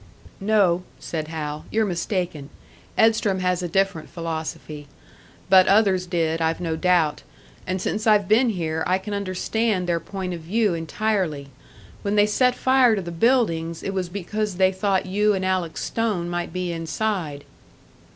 "No," said Hal, "you're mistaken. Edstrom has a different philosophy. But others did, I've no doubt. And since I've been here, I can understand their point of view entirely. When they set fire to the buildings, it was because they thought you and Alec Stone might be inside."